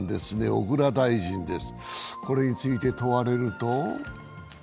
小倉大臣です。